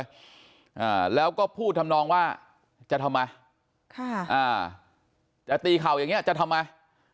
อ่าแล้วก็พูดทำนองว่าจะทำไมค่ะอ่าจะตีเข่าอย่างเงี้จะทำไม